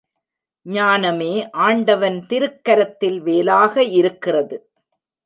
ஞானமே ஆண்டவன் திருக்கரத்தில் வேலாக இருக்கிறது.